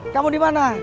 kamu di mana